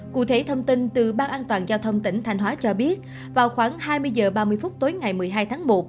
cụ thể thông tin từ ban an toàn giao thông tỉnh thanh hóa cho biết vào khoảng hai mươi h ba mươi phút tối ngày một mươi hai tháng một